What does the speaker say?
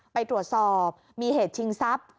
ไปตรวจสอบมีเหตุชิงทรัพย์